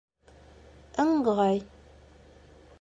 Ыңғай.